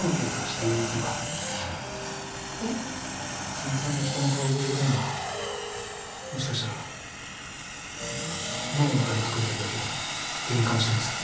すみれさんが人の顔を覚えづらいのはもしかしたら脳の中に隠れた病気が原因かもしれません。